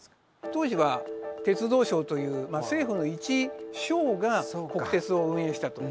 当時は鉄道省という政府のいち省が国鉄を運営してたと。